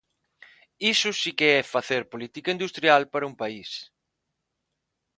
Iso si que é facer política industrial para un país.